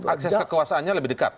akses kekuasaannya lebih dekat